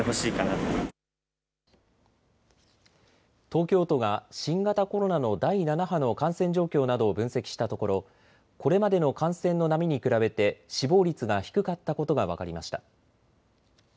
東京都が新型コロナの第７波の感染状況などを分析したところこれまでの感染の波に比べて死亡率が低かったことが分かりました。